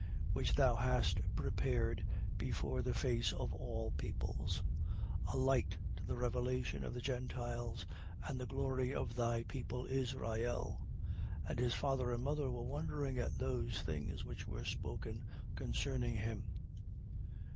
Which thou hast prepared before the face of all peoples: 2:32. A light to the revelation of the Gentiles and the glory of thy people Israel. 2:33. And his father and mother were wondering at those things which were spoken concerning him.